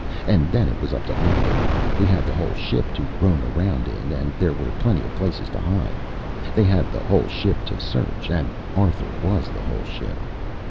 And then it was up to Arthur. We had the whole ship to roam around in and there were plenty of places to hide. They had the whole ship to search. And Arthur was the whole ship.